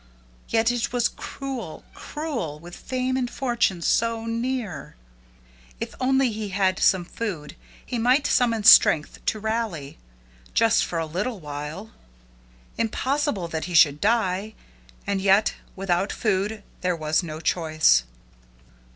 Yet it was cruel, cruel, with fame and fortune so near! If only he had some food, he might summon strength to rally just for a little while! Impossible that he should die! And yet without food there was no choice.